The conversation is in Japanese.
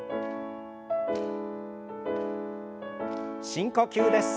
深呼吸です。